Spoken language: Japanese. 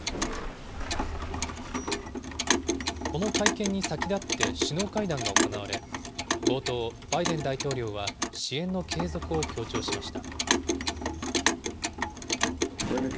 この会見に先立って首脳会談が行われ、冒頭、バイデン大統領は、支援の継続を強調しました。